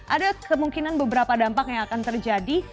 ada kemungkinan beberapa dampak yang akan terjadi